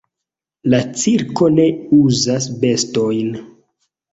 La cirko ne uzas bestojn.